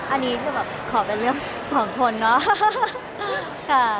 อันนี้คือแบบขอเป็นเรื่องของคนเนาะ